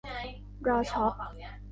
รอช็อป